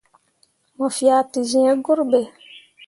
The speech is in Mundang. Mo fea te zẽẽ gurɓe.